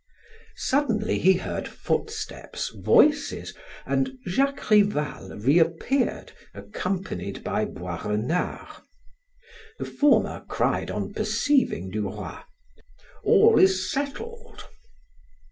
Suddenly he heard footsteps, voices, and Jacques Rival reappeared accompanied by Boisrenard. The former cried on perceiving Duroy: "All is settled!"